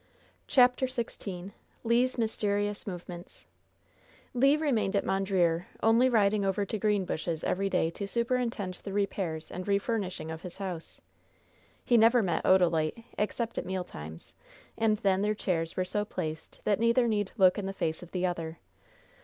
CHAPTER XVI LE'S MYSTERIOUS MOVEMENTS Le remained at Mondreer, only riding over to Greenbushes every day to superintend the repairs and refurnishing of his house. He never met Odalite except at meal times, and then their chairs were so placed that neither need look in the face of the other.